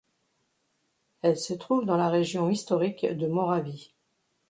Elle se trouve dans la région historique de Moravie.